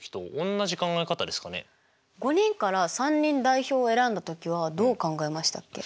５人から３人代表選んだ時はどう考えましたっけ？